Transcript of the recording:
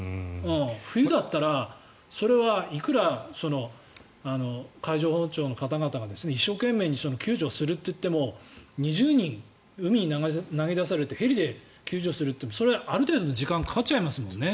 冬だったらそれはいくら海上保安庁の方々が一生懸命に救助するといっても２０人、海に投げ出されてヘリで救助するといってもそれはある程度の時間がかかっちゃいますもんね。